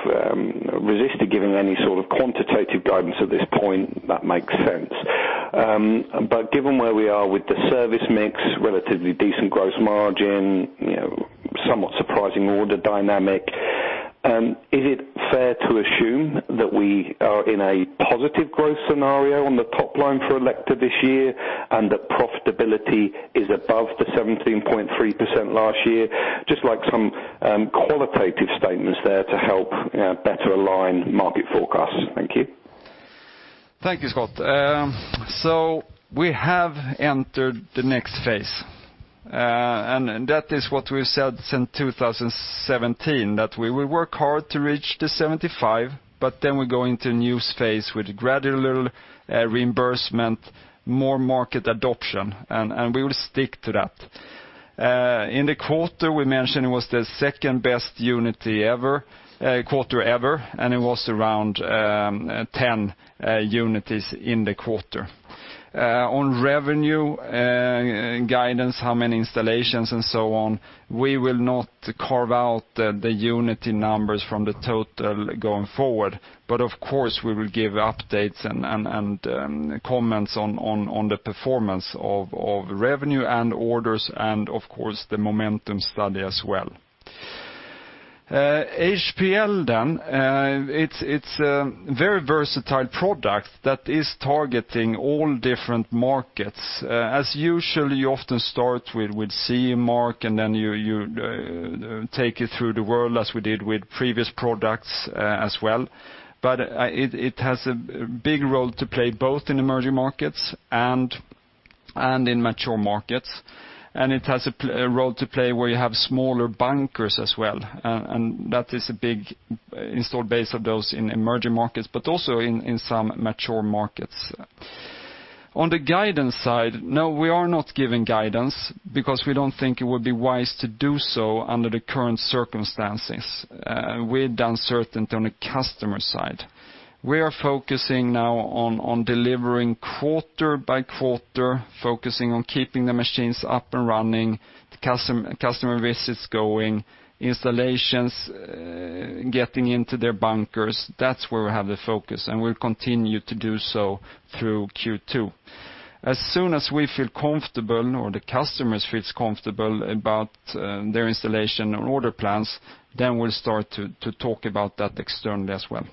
resisted giving any sort of quantitative guidance at this point. That makes sense. Given where we are with the service mix, relatively decent gross margin, somewhat surprising order dynamic, is it fair to assume that we are in a positive growth scenario on the top line for Elekta this year, and that profitability is above the 17.3% last year? Just like some qualitative statements there to help better align market forecasts. Thank you. Thank you, Scott. We have entered the next phase, and that is what we've said since 2017, that we will work hard to reach the 75, but then we go into a new phase with gradual reimbursement, more market adoption, and we will stick to that. In the quarter, we mentioned it was the second-best Unity quarter ever, and it was around 10 Unities in the quarter. On revenue guidance, how many installations and so on, we will not carve out the Unity numbers from the total going forward. Of course, we will give updates and comments on the performance of revenue and orders and, of course, the momentum study as well. Elekta Harmony, it's a very versatile product that is targeting all different markets. As usual, you often start with CE mark, and then you take it through the world as we did with previous products as well. It has a big role to play, both in emerging markets and in mature markets. It has a role to play where you have smaller bunkers as well, and that is a big installed base of those in emerging markets, but also in some mature markets. On the guidance side, no, we are not giving guidance because we don't think it would be wise to do so under the current circumstances with the uncertainty on the customer side. We are focusing now on delivering quarter by quarter, focusing on keeping the machines up and running, the customer visits going, installations getting into their bunkers. That's where we have the focus, and we'll continue to do so through Q2. As soon as we feel comfortable or the customers feel comfortable about their installation or order plans, then we'll start to talk about that externally as well.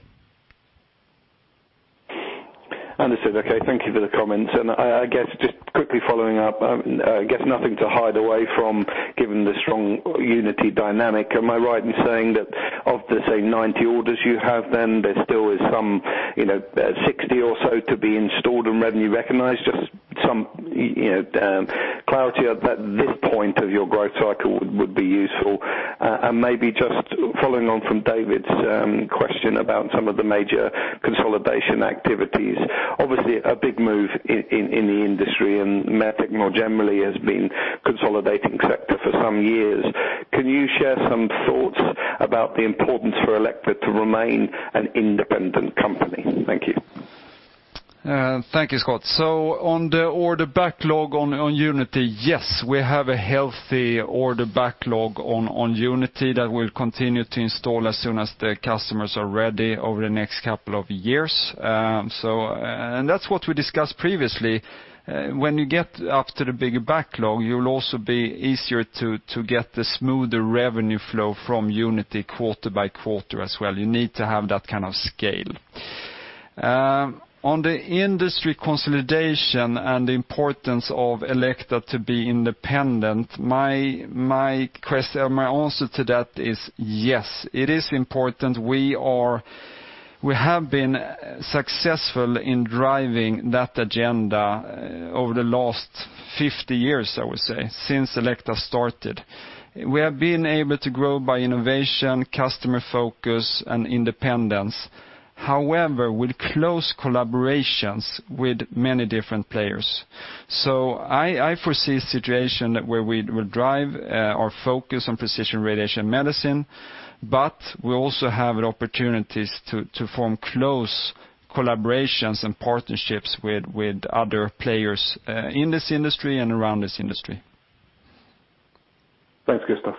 Understood. Okay. Thank you for the comment. I guess just quickly following up, I guess nothing to hide away from, given the strong Unity dynamic. Am I right in saying that of the, say, 90 orders you have, then there still is some 60 or so to be installed and revenue recognized. Just some clarity at this point of your growth cycle would be useful. Maybe just following on from David's question about some of the major consolidation activities, obviously a big move in the industry and MedTech more generally has been consolidating sector for some years. Can you share some thoughts about the importance for Elekta to remain an independent company? Thank you. Thank you, Scott. On the order backlog on Unity, yes. We have a healthy order backlog on Unity that we'll continue to install as soon as the customers are ready over the next couple of years. That's what we discussed previously. When you get up to the bigger backlog, you'll also be easier to get the smoother revenue flow from Unity quarter by quarter as well. You need to have that kind of scale. On the industry consolidation and the importance of Elekta to be independent, my answer to that is yes. It is important. We have been successful in driving that agenda over the last 50 years, I would say, since Elekta started. We have been able to grow by innovation, customer focus, and independence however, with close collaborations with many different players. I foresee a situation where we drive our focus on precision radiation medicine, but we also have opportunities to form close collaborations and partnerships with other players in this industry and around this industry. Thanks, Gustaf.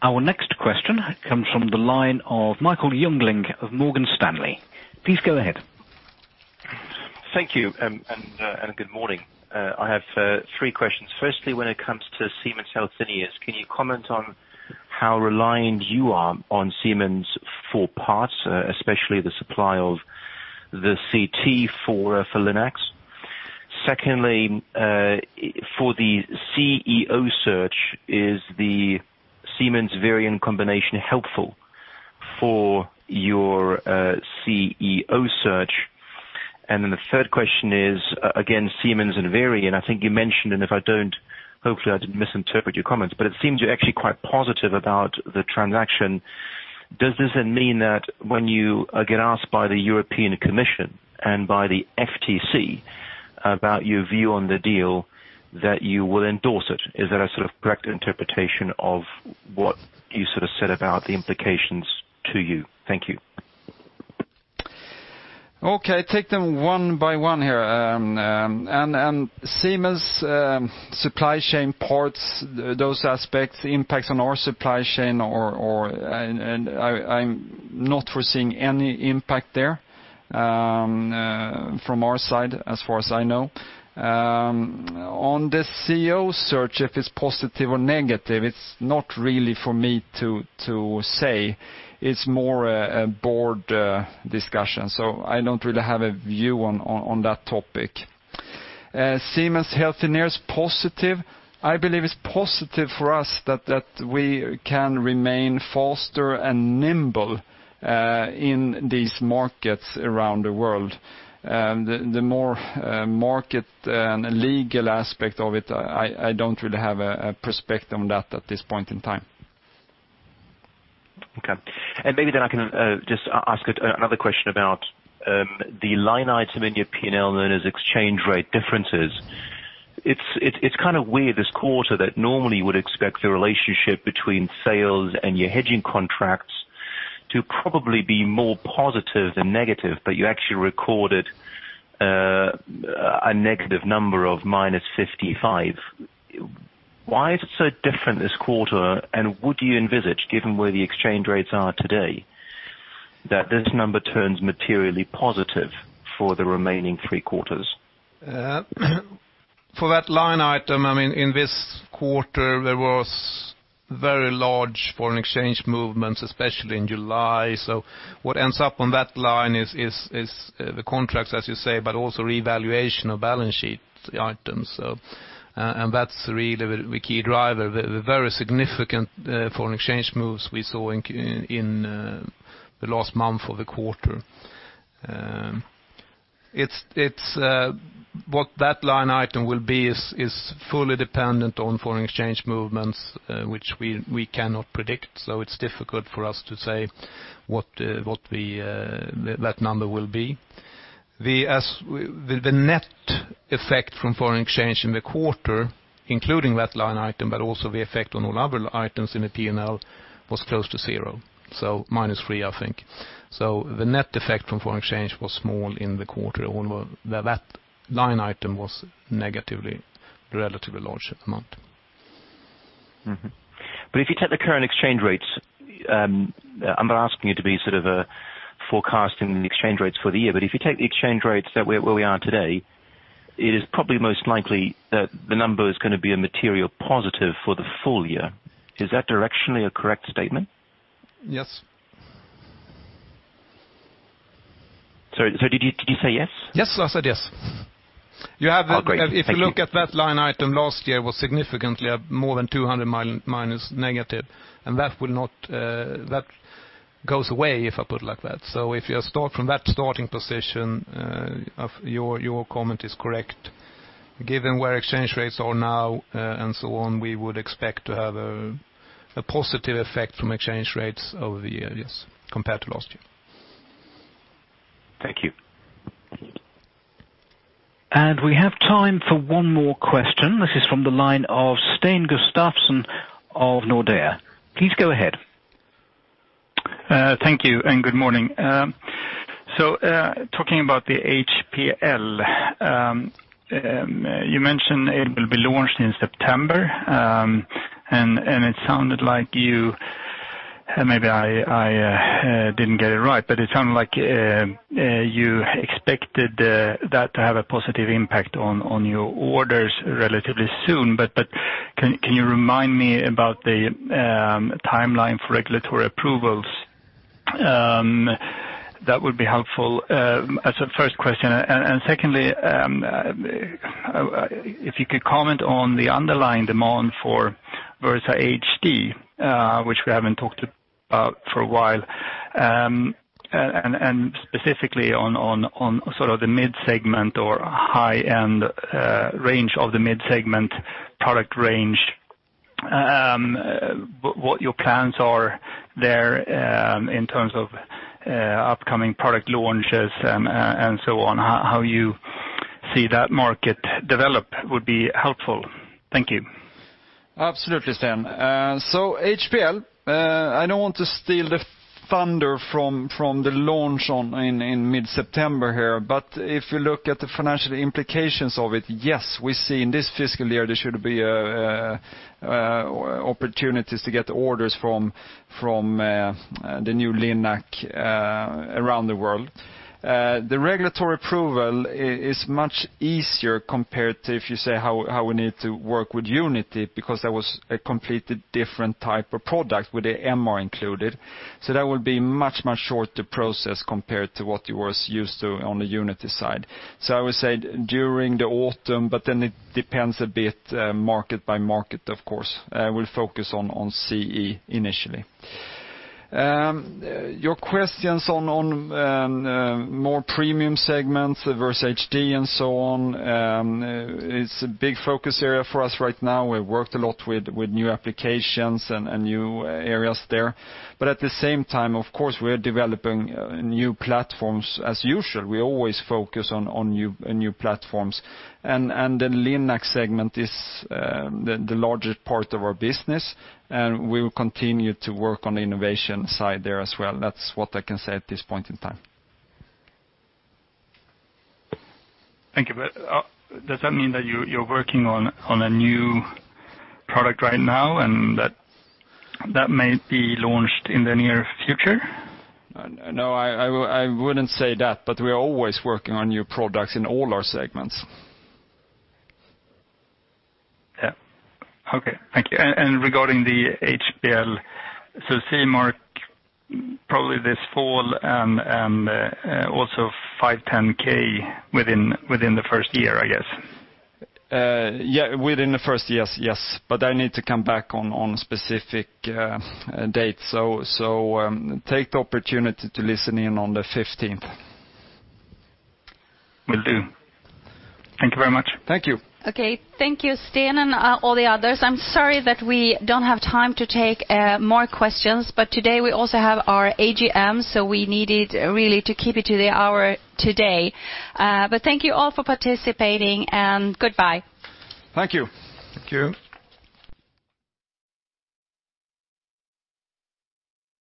Our next question comes from the line of Michael Jüngling of Morgan Stanley. Please go ahead. Thank you, and good morning. I have three questions. Firstly, when it comes to Siemens Healthineers, can you comment on how reliant you are on Siemens for parts, especially the supply of the CT for Linacs? Secondly, for the CEO search, is the Siemens Varian combination helpful for your CEO search? The third question is, again, Siemens and Varian. I think you mentioned, and if I don't, hopefully, I didn't misinterpret your comments, but it seems you're actually quite positive about the transaction. Does this mean that when you get asked by the European Commission and by the FTC about your view on the deal, that you will endorse it? Is that a sort of correct interpretation of what you sort of said about the implications to you? Thank you. Okay. Take them one by one here. Siemens supply chain parts, those aspects impact on our supply chain, and I'm not foreseeing any impact there from our side, as far as I know. On the CEO search, if it's positive or negative, it's not really for me to say. It's more a board discussion, so I don't really have a view on that topic. Siemens Healthineers, positive. I believe it's positive for us that we can remain faster and nimble in these markets around the world. The more market and legal aspect of it, I don't really have a perspective on that at this point in time. Okay. Maybe then I can just ask another question about the line item in your P&L known as exchange rate differences. It's kind of weird this quarter that normally you would expect the relationship between sales and your hedging contracts to probably be more positive than negative, but you actually recorded a negative number of -55. Why is it so different this quarter? Would you envisage, given where the exchange rates are today, that this number turns materially positive for the remaining three quarters? For that line item, in this quarter, there was very large foreign exchange movements, especially in July. What ends up on that line is the contracts, as you say, but also revaluation of balance sheet items. That's really the key driver. The very significant foreign exchange moves we saw in the last month of the quarter. What that line item will be is fully dependent on foreign exchange movements, which we cannot predict. It's difficult for us to say what that number will be. The net effect from foreign exchange in the quarter, including that line item, but also the effect on all other items in the P&L, was close to zero. -3, I think. The net effect from foreign exchange was small in the quarter, although that line item was negatively a relatively large amount. If you take the current exchange rates, I'm not asking you to be sort of forecasting the exchange rates for the year, if you take the exchange rates where we are today, it is probably most likely that the number is going to be a material positive for the full year. Is that directionally a correct statement? Yes. Sorry, did you say yes? Yes, I said yes. Oh, great. Thank you. If you look at that line item last year, was significantly more than -200, and that goes away, if I put it like that. If you start from that starting position, your comment is correct. Given where exchange rates are now and so on, we would expect to have a positive effect from exchange rates over the year, yes, compared to last year. Thank you. We have time for one more question. This is from the line of Sten Gustafsson of Nordea. Please go ahead. Thank you and good morning. Talking about the HPL, you mentioned it will be launched in September, and it sounded like you, and maybe I didn't get it right, but it sounded like you expected that to have a positive impact on your orders relatively soon. Can you remind me about the timeline for regulatory approvals? That would be helpful as a first question. Secondly, if you could comment on the underlying demand for Versa HD, which we haven't talked about for a while, and specifically on sort of the mid-segment or high-end range of the mid-segment product range, what your plans are there in terms of upcoming product launches and so on. How you see that market develop would be helpful. Thank you. Absolutely, Sten. HPL, I don't want to steal the thunder from the launch in mid-September here, if you look at the financial implications of it, yes, we see in this fiscal year, there should be opportunities to get orders from the new Linac around the world. The regulatory approval is much easier compared to, if you say, how we need to work with Unity, because that was a completely different type of product with the MR included. That would be much shorter process compared to what you were used to on the Unity side. I would say during the autumn, it depends a bit market by market, of course. We'll focus on CE initially. Your questions on more premium segments, Versa HD and so on. It's a big focus area for us right now. We've worked a lot with new applications and new areas there. At the same time, of course, we are developing new platforms as usual. We always focus on new platforms, and the Linac segment is the largest part of our business, and we will continue to work on the innovation side there as well. That's what I can say at this point in time. Thank you. Does that mean that you're working on a new product right now and that may be launched in the near future? No, I wouldn't say that, but we are always working on new products in all our segments. Yeah. Okay. Thank you. Regarding the HPL, CE mark probably this fall and also 510(k) within the first year, I guess. Yeah, within the first, yes. I need to come back on specific dates. Take the opportunity to listen in on the 15th. Will do. Thank you very much. Thank you. Okay. Thank you, Sten and all the others. I'm sorry that we don't have time to take more questions, but today we also have our AGM, so we needed really to keep it to the hour today. Thank you all for participating, and goodbye. Thank you. Thank you.